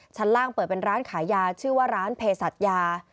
ชั้นล่างเปิดเป็นร้านขายยาชื่อว่าร้านเพศัตยา